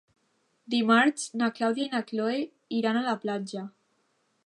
Dimarts na Clàudia i na Cloè iran a la platja.